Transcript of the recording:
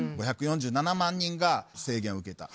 ５４７万人が制限を受けた。